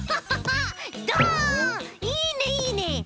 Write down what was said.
いいねいいね！